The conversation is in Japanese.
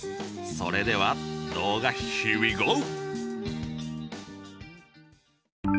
それでは動画ヒウィゴー！